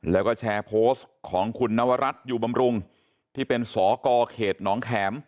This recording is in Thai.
แล้วก็แชร์โพสต์ของคุณนวรัฐอยู่บำรุงที่เป็นสกเขตหนองแข็ม